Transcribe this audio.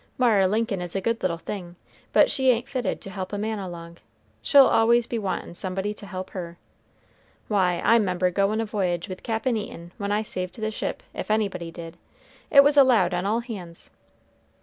Mara Lincoln is a good little thing, but she ain't fitted to help a man along, she'll always be wantin' somebody to help her. Why, I 'member goin' a voyage with Cap'n Eaton, when I saved the ship, if anybody did, it was allowed on all hands.